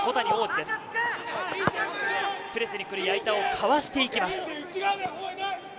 プレスに来る矢板をかわしていきます。